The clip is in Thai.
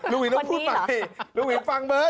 ลุงหวินต้องพูดไปลุงหวินฟังเบิศ